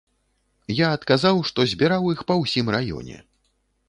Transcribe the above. Я адказаў, што збіраў іх па ўсім раёне.